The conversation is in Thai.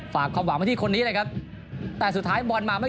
ฝากความหวังมาที่คนนี้เลยครับแต่สุดท้ายบอลมาไม่